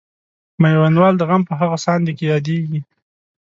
میوندوال د غم په هغه ساندې کې یادیږي.